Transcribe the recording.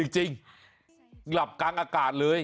จริงหลับกลางอากาศเลย